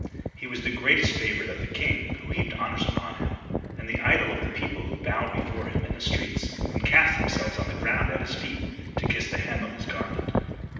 He was the greatest favorite of the king who heaped honors upon him, and the idol of the people who bowed before him in the streets and cast themselves on the ground at his feet to kiss the hem of his garment.